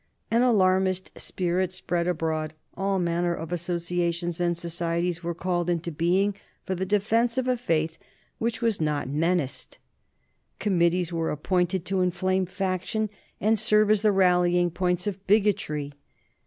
An alarmist spirit spread abroad. All manner of associations and societies were called into being for the defence of a faith which was not menaced. Committees were appointed to inflame faction and serve as the rallying points of bigotry.